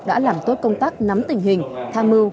đã làm tốt công tác nắm tình hình tham mưu